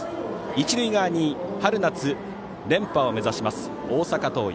一塁側に春夏連覇を目指します大阪桐蔭。